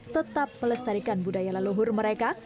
tetap melestarikan budaya leluhur mereka